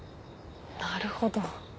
なるほど。